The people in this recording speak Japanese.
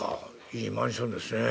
いいマンションですね。